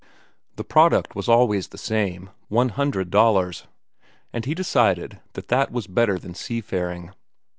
The product was always the same, one hundred dollars, and he decided that that was better than seafaring.